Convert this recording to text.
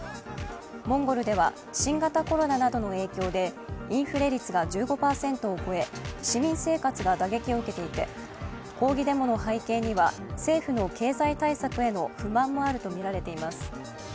モンゴルでは新型コロナなどの影響でインフレ率が１５％を超え、市民生活が打撃を受けていて抗議デモの背景には政府の経済対策への不満もあるとみられています。